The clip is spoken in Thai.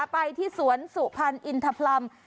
ไปที่สวนสุพรรณอินทพรรม